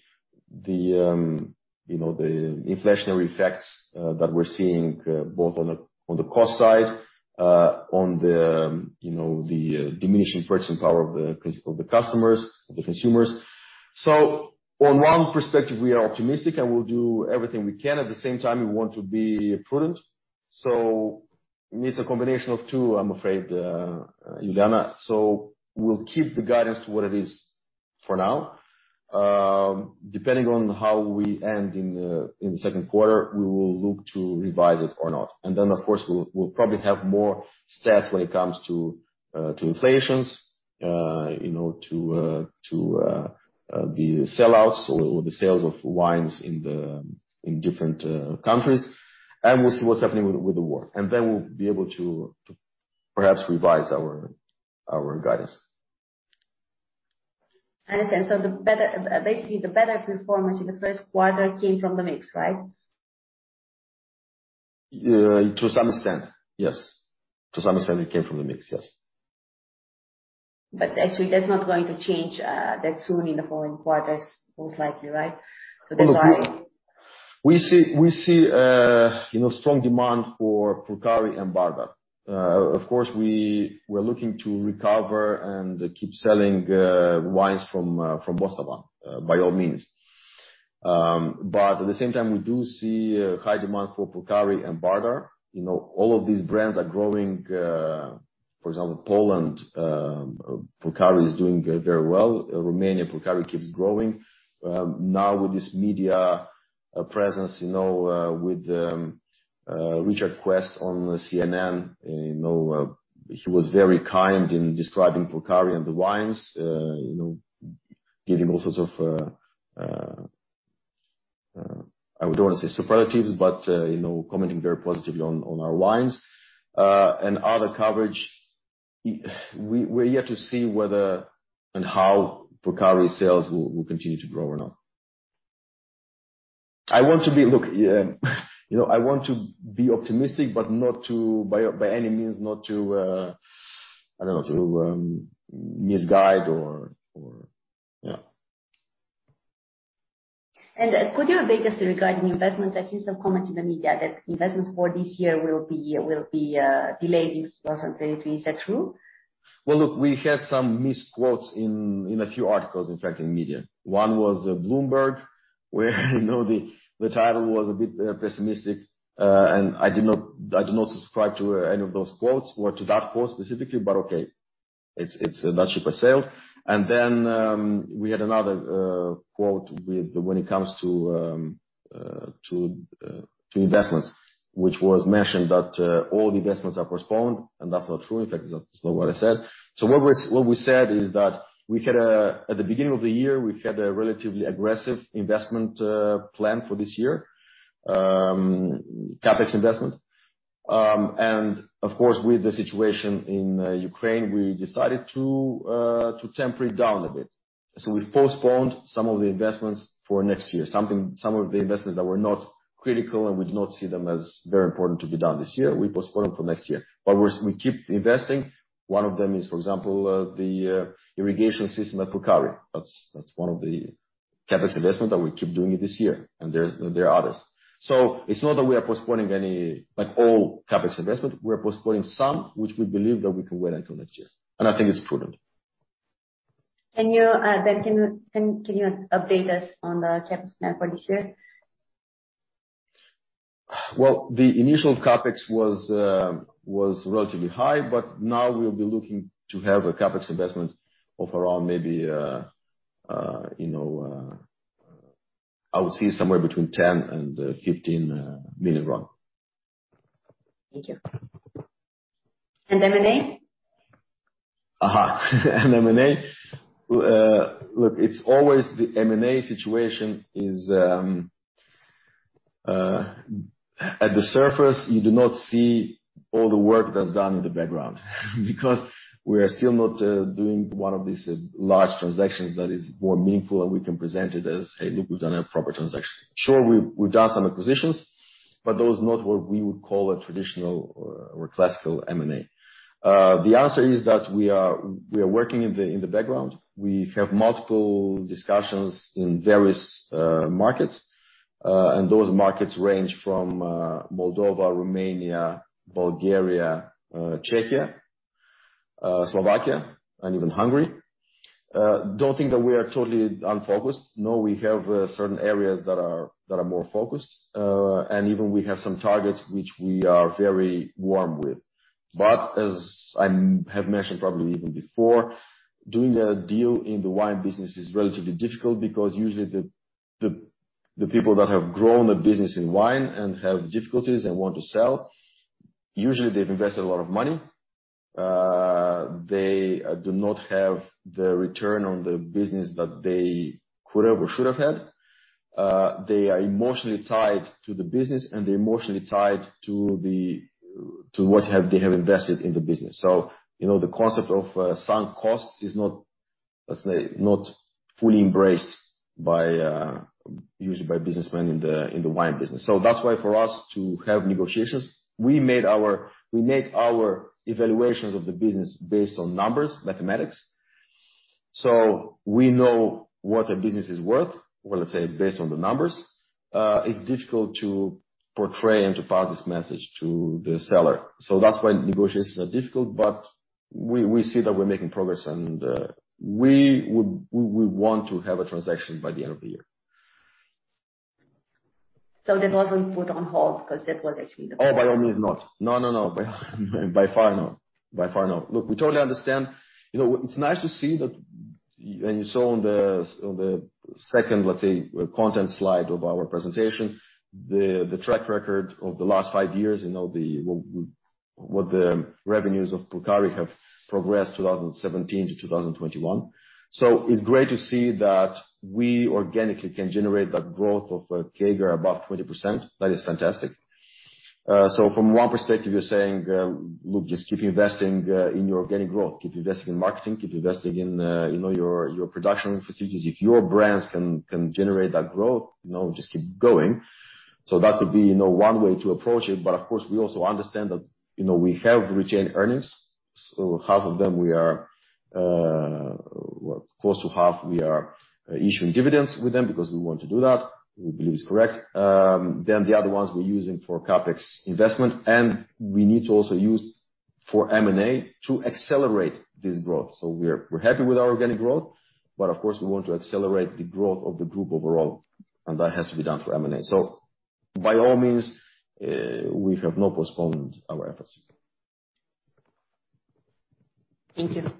you know, the inflationary effects that we're seeing both on the cost side, on the, you know, the diminishing purchasing power of the customers, of the consumers. On one perspective, we are optimistic and we'll do everything we can. At the same time, we want to be prudent. It's a combination of two, I'm afraid, Juliana. We'll keep the guidance to what it is for now. Depending on how we end in the second quarter, we will look to revise it or not. Then, of course, we'll probably have more stats when it comes to inflations, you know, to the sellouts or the sales of wines in different countries. We'll see what's happening with the war. Then we'll be able to perhaps revise our guidance. I understand. Basically, the better performance in the first quarter came from the mix, right? To some extent, yes. To some extent it came from the mix, yes. Actually that's not going to change, that soon in the following quarters, most likely, right? That's why- We see you know strong demand for Purcari and Bardar. Of course we're looking to recover and keep selling wines from Bostavan by all means. At the same time we do see a high demand for Purcari and Bardar. You know all of these brands are growing. For example, Poland, Purcari is doing very well. Romania, Purcari keeps growing. Now with this media presence you know with Richard Quest on CNN you know he was very kind in describing Purcari and the wines you know giving all sorts of I don't wanna say superlatives but you know commenting very positively on our wines and other coverage. We're yet to see whether and how Purcari sales will continue to grow or not. I want to be. Look, you know, I want to be optimistic, but not, by any means, I don't know, to misguide. Yeah. Could you update us regarding investments? I've seen some comments in the media that investments for this year will be delayed in 2023. Is that true? Well, look, we had some misquotes in a few articles, in fact, in the media. One was Bloomberg, where, you know, the title was a bit pessimistic. I do not subscribe to any of those quotes or to that quote specifically, but okay. It's [a bad ship for sale.] We had another quote when it comes to investments, which mentioned that all the investments are postponed, and that's not true. In fact, that's not what I said. What we said is that we had at the beginning of the year a relatively aggressive investment plan for this year, CapEx investment. Of course, with the situation in Ukraine, we decided to temporarily down a bit. We postponed some of the investments for next year. Some of the investments that were not critical, and we do not see them as very important to be done this year, we postponed them for next year. We keep investing. One of them is, for example, the irrigation system at Purcari. That's one of the CapEx investment that we keep doing it this year, and there are others. It's not that we are postponing any, like, all CapEx investments. We're postponing some which we believe that we can wait until next year, and I think it's prudent. Can you update us on the CapEx plan for this year? The initial CapEx was relatively high, but now we'll be looking to have a CapEx investment of around maybe, you know, I would say somewhere between RON 10 million and RON 15 million. Thank you. And M&A? M&A. Look, it's always the M&A situation is, at the surface, you do not see all the work that's done in the background because we are still not doing one of these large transactions that is more meaningful, and we can present it as, "Hey, look, we've done a proper transaction." Sure, we've done some acquisitions, but those are not what we would call a traditional or classical M&A. The answer is that we are working in the background. We have multiple discussions in various markets, and those markets range from Moldova, Romania, Bulgaria, Czechia, Slovakia, and even Hungary. Don't think that we are totally unfocused. No, we have certain areas that are more focused. Even we have some targets which we are very warm with. As I have mentioned probably even before, doing the deal in the wine business is relatively difficult because usually the people that have grown a business in wine and have difficulties and want to sell, usually they've invested a lot of money. They do not have the return on the business that they could have or should have had. They are emotionally tied to the business, and they're emotionally tied to what they have invested in the business. You know, the concept of sunk costs is not, let's say, not fully embraced by usually by businessmen in the wine business. That's why for us to have negotiations, we made our evaluations of the business based on numbers, mathematics. So we know what a business is worth. Well, let's say based on the numbers, it's difficult to portray and to pass this message to the seller. That's why negotiations are difficult. We see that we're making progress and we want to have a transaction by the end of the year. This wasn't put on hold because that was actually. Oh, by all means, not. No, no. By far not. Look, we totally understand. You know, it's nice to see that. You saw on the second, let's say, content slide of our presentation, the track record of the last five years. You know, what the revenues of Purcari have progressed, 2017 to 2021. It's great to see that we organically can generate that growth of a CAGR above 20%. That is fantastic. From one perspective, you're saying, look, just keep investing in your organic growth. Keep investing in marketing, keep investing in, you know, your production facilities. If your brands can generate that growth, you know, just keep going. That could be, you know, one way to approach it. Of course, we also understand that, you know, we have retained earnings. Close to half, we are issuing dividends with them because we want to do that. We believe it's correct. The other ones we're using for CapEx investment, and we need to also use for M&A to accelerate this growth. We're happy with our organic growth, but of course, we want to accelerate the growth of the group overall, and that has to be done through M&A. By all means, we have not postponed our efforts. Thank you.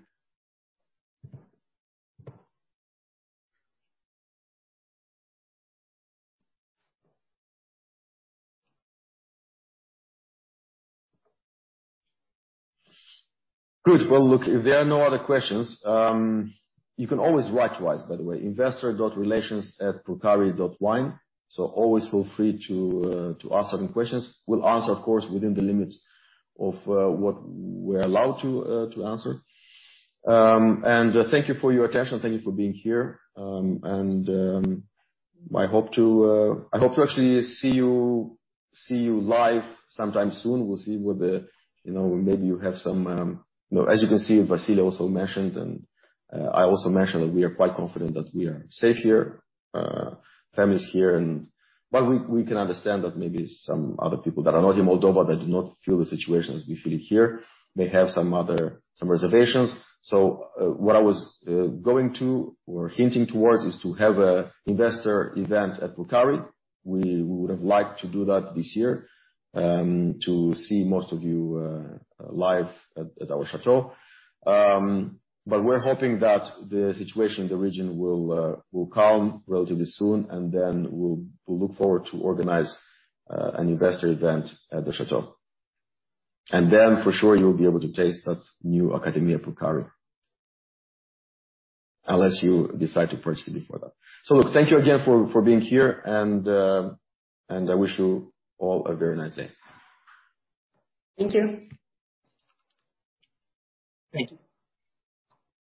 Good. Well, look, if there are no other questions, you can always write to us, by the way, investor.relations@purcari.wine. Always feel free to ask any questions. We'll answer, of course, within the limits of what we're allowed to answer. Thank you for your attention. Thank you for being here. I hope to actually see you live sometime soon. We'll see whether, you know, maybe you have some. You know, as you can see, Vasile also mentioned, and I also mentioned that we are quite confident that we are safe here, families here and. We can understand that maybe some other people that are not in Moldova, that do not feel the situation as we feel it here, may have some other reservations. What I was going to or hinting towards is to have a investor event at Purcari. We would have liked to do that this year to see most of you live at our Château. We're hoping that the situation in the region will calm relatively soon, and then we'll look forward to organize an investor event at the Château. For sure, you'll be able to taste that new Academia Purcari. Unless you decide to purchase it before that. Look, thank you again for being here and I wish you all a very nice day. Thank you. Thank you.